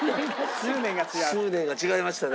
執念が違いましたね。